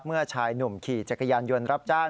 เมื่อชายหนุ่มขี่จักรยานยนต์รับจ้าง